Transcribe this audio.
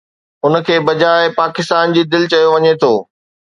ان کي بجاءِ پاڪستان جي دل چيو وڃي ٿو